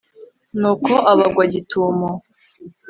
nuko abagwa gitumo